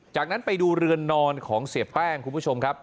จากนั้นไปดูเรือนนอนของเสียแป้งคุณผู้ชมครับ